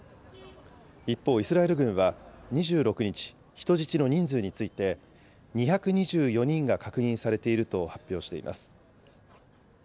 一方、イスラエル軍は２６日、人質の人数について２２４人が確認されていると発表しています。